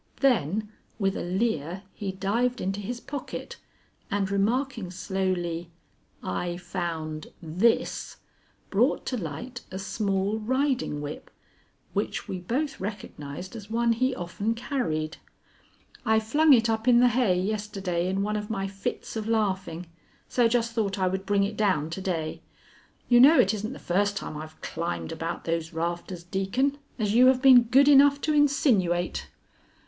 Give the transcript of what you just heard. Then with a leer he dived into his pocket, and remarking slowly, "I found this," brought to light a small riding whip which we both recognized as one he often carried. "I flung it up in the hay yesterday in one of my fits of laughing, so just thought I would bring it down to day. You know it isn't the first time I've climbed about those rafters, Deacon, as you have been good enough to insinuate."